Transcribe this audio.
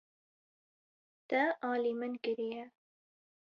Te alî min kiriye.